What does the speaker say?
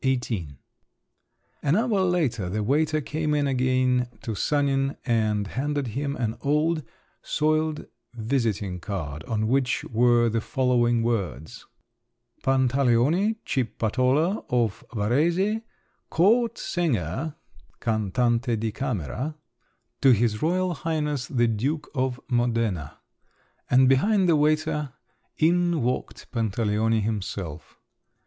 XVIII An hour later the waiter came in again to Sanin, and handed him an old, soiled visiting card, on which were the following words: "Pantaleone Cippatola of Varese, court singer (cantante di camera) to his Royal Highness the Duke of Modena"; and behind the waiter in walked Pantaleone himself.